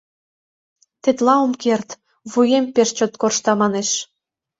— Тетла ом керт, вуем пеш чот коршта, манеш.